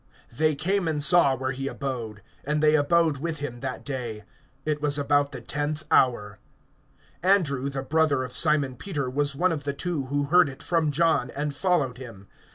They came and saw where he abode; and they abode with him that day. It was about the tenth hour. (40)Andrew, the brother of Simon Peter, was one of the two who heard it from John, and followed him.